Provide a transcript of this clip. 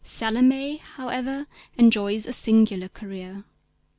Salomé however enjoys a singular career.